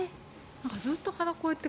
ずっと鼻をこうやって。